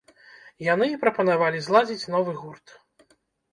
Яны і прапанавалі зладзіць новы гурт.